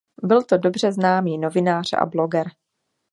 Byl to dobře známý novinář a blogger.